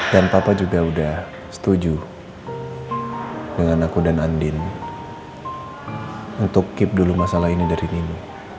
dan papa juga udah setuju dengan aku dan andin untuk keep dulu masalah ini dari nino